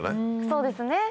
そうですね。